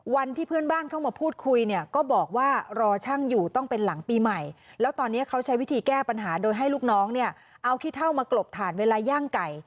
วันที่เพื่อนบ้านเข้ามาพูดคุยเนี่ยก็บอกว่ารอช่างอยู่ต้องเป็นหลังปีใหม่แล้วตอนนี้เขาใช้วิธีแก้ปัญหาโดยให้ลูกน้องเนี่ยเอาขี้เท่ามากลบถ่านเวลาย่างไก่